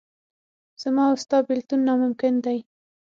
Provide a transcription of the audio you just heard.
زما او ستا بېلتون ناممکن دی.